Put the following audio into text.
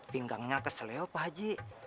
pinggangnya kesel ya pak haji